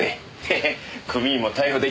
ヘヘッ組員も逮捕できたよ。